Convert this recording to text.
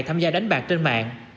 tham gia đánh bạc trên mạng